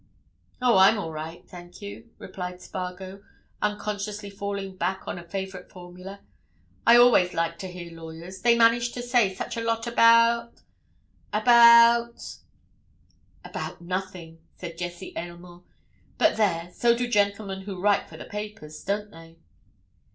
"Oh, I'm all right, thank you," replied Spargo, unconsciously falling back on a favourite formula. "I always like to hear lawyers—they manage to say such a lot about—about—" "About nothing," said Jessie Aylmore. "But there—so do gentlemen who write for the papers, don't they?"